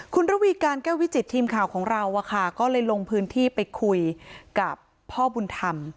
คุณระวีการแก้ววิจิตทีมข่าวของเราก็เลยลงพื้นที่ไปคุยกับพ่อบุญธรรม